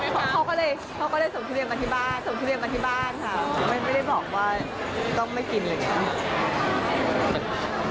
ไม่ได้บอกว่าต้องไม่กินอะไรอย่างนี้